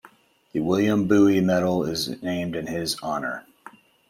The William Bowie Medal is named in his honor.